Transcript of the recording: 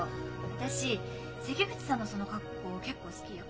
私関口さんのその格好結構好きよ。